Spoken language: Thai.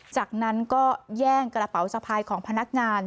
จากนั้นก็แย่งกระเป๋าสะพายของพนักงาน